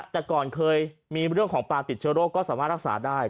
แต่ก่อนเคยมีเรื่องของปลาติดเชื้อโรคก็สามารถรักษาได้